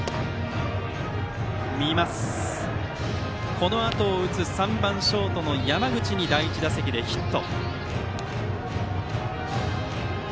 このあとを打つ３番ショートの山口に第１打席でヒット。